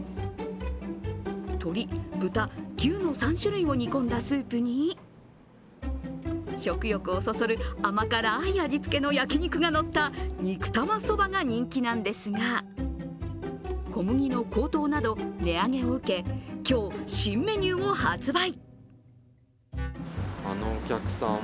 鶏・豚・牛の３種類を煮込んだスープに食欲をそそる甘辛い味付けの焼き肉がのった肉玉そばが人気なんですが小麦の高騰など値上げを受け、今日新メニューを発売。